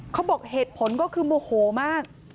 เขาบอกเหตุผลก็คือโมโหมาก